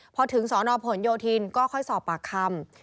พอถึงสนผลโยธินก็ค่อยสอบปากคำ